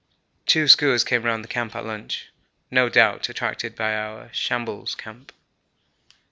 Two skuas came round the camp at lunch, no doubt attracted by our 'Shambles' camp.